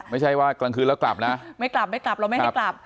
ไม่ใช่ว่ากลางคืนแล้วกลับนะไม่กลับไม่กลับเราไม่ให้กลับ